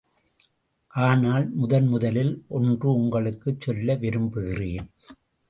ஆனால் முதன்முதலில் ஒன்று உங்களுக்குச் சொல்ல விரும்புகிறேன்.